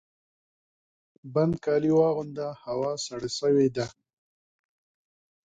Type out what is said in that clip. پنډ کالي واغونده ! هوا سړه سوې ده